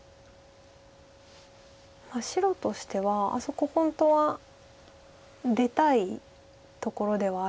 白としてはあそこ本当は出たいところではあるんですけど。